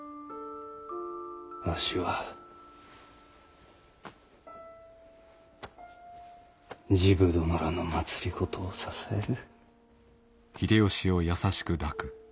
わしは治部殿らの政を支える。